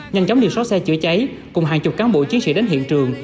nhanh chóng đi xóa xe chữa cháy cùng hàng chục cán bộ chiến sĩ đến hiện trường